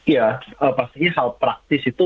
ya pastinya hal praktis itu